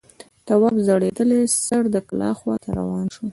تواب ځړېدلی سر د کلا خواته روان شو.